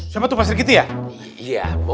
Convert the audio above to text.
siapa tuh pasir gitu ya